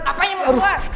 apanya mau keluar